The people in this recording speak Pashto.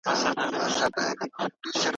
ډله ییز کارونه تل ښه پایله لري.